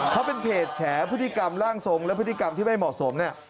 เขาเป็นเพจแฉพฤติกรรมร่างทรงและพฤติกรรมที่ไม่เหมาะสมเนี่ย